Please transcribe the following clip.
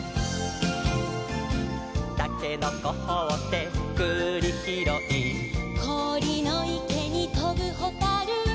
「たけのこほってくりひろい」「こおりのいけにとぶほたる」